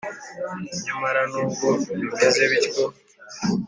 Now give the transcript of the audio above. nyamara n’ubwo bimeze bityo